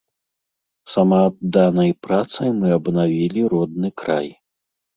Самаадданай працай мы абнавілі родны край.